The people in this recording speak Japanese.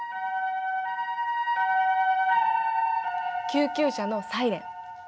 救急車のサイレン。